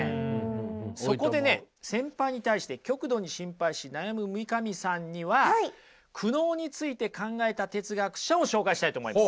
そこでね先輩に対して極度に心配し悩む三上さんには苦悩について考えた哲学者を紹介したいと思います。